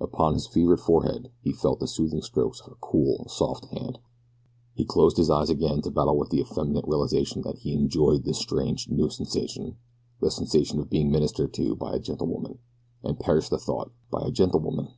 Upon his fevered forehead he felt the soothing strokes of her cool, soft hand. He closed his eyes again to battle with the effeminate realization that he enjoyed this strange, new sensation the sensation of being ministered to by a gentle woman and, perish the thought, by a gentlewoman!